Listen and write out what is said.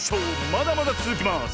まだまだつづきます！